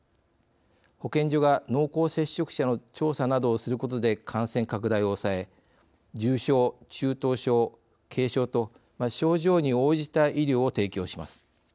保健所が濃厚接触者の調査などをすることで感染拡大を抑え重症、中等症、軽症と症状に応じた医療を提供します。